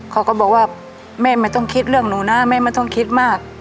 เขาก็บอกว่าแม่ไม่ต้องคิดเรื่องหนูนะแม่ไม่ต้องคิดมาก